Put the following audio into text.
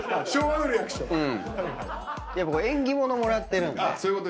縁起物もらってるんで。